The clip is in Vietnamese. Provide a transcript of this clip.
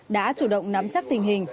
đã chủ động nắm chắc tình hình